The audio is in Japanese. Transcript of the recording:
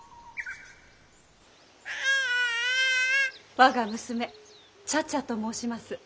我が娘茶々と申します。